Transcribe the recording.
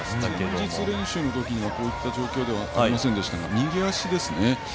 前日練習の時にはこういった状況ではありませんでしたが右足ですね。